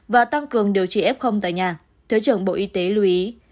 và tăng cường điều trị f tại nhà thứ trưởng bộ y tế lưu ý